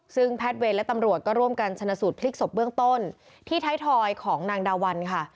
ซึ่งแพทย์เวรและตำรวจก็ร่วมกันชนะสูตรพลิกศพเบื้องต้นที่ไทยทอยของนางดาวันค่ะ